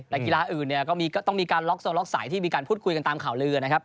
กีฬาอื่นเนี่ยก็ต้องมีการล็อกโซล็อกสายที่มีการพูดคุยกันตามข่าวลือนะครับ